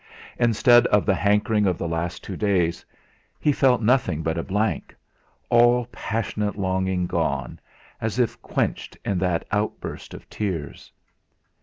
Instead of the hankering of the last two days, he felt nothing but a blank all passionate longing gone, as if quenched in that outburst of tears.